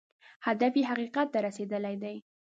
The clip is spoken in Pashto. هدف یې حقیقت ته رسېدل دی.